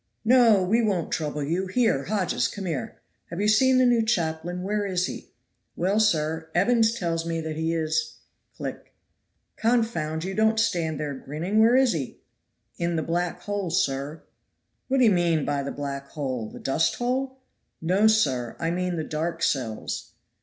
"No! we won't trouble you. Here, Hodges, come here. Have you seen the new chaplain where is he?" "Well, sir, Evans tells me he is " click! "Confound you, don't stand grinning. Where is he?" "In the black hole, sir!" "What d'ye mean by the black hole? The dust hole?" "No, sir, I mean the dark cells."